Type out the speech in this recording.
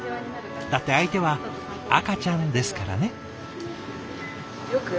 だって相手は赤ちゃんですからね。